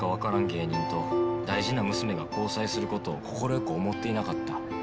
芸人と大事な娘が交際することを快く思っていなかった